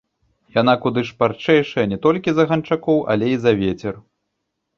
Яна куды шпарчэйшая не толькі за ганчакоў, але і за вецер.